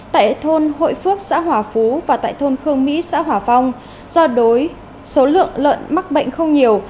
tại thôn hội phước xã hòa phú và tại thôn khương mỹ xã hòa phong do đối số lượng lợn mắc bệnh không nhiều